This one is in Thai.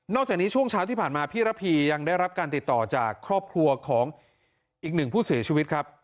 จากนี้ช่วงเช้าที่ผ่านมาพี่ระพียังได้รับการติดต่อจากครอบครัวของอีกหนึ่งผู้เสียชีวิตครับ